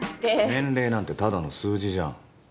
年齢なんてただの数字じゃん。